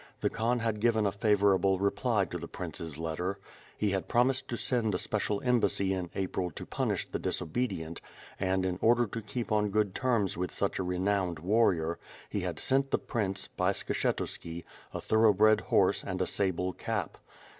The Khan had given a favorable reply to the prince's letter. lie had promised to sendasepecial embassy in April to punish the disobedient, and in order to keep on good terms with such a renowned war rior, he had sent the prince, by Skshetuski, a thoroughbred horse anl a sable cap.